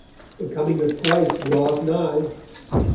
The Coming of Christ draweth nigh.